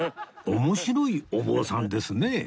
面白いお坊さんですね